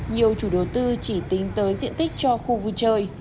nhiều chủ đầu tư chỉ tính tới diện tích cho khu vui chơi